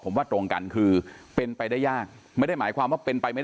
ผมว่าตรงกันคือเป็นไปได้ยากไม่ได้หมายความว่าเป็นไปไม่